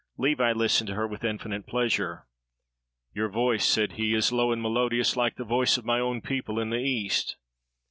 Levi listened to her with infinite pleasure. "Your voice," said he, "is low and melodious like the voice of my own people in the East."